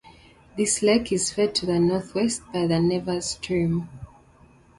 This lake is fed to the northwest by the Nevers stream.